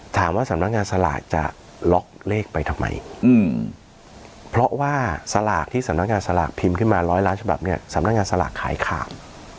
สำนักงานสลากจะล็อกเลขไปทำไมเพราะว่าสลากที่สำนักงานสลากพิมพ์ขึ้นมาร้อยล้านฉบับเนี่ยสำนักงานสลากขายขาด